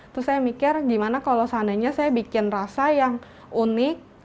terus saya mikir gimana kalau seandainya saya bikin rasa yang unik